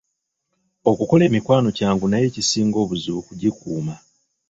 Okukola emikwano kyangu naye ekisinga obuzibu kugikuuma.